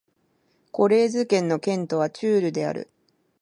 コレーズ県の県都はチュールである